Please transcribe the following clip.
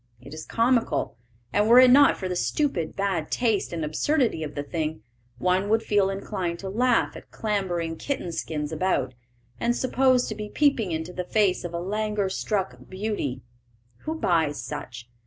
It is comical, and were it not for the stupid bad taste and absurdity of the thing, one would feel inclined to laugh at clambering kitten skins about, and supposed to be peeping into the face of a languor struck "beauty." Who buys such?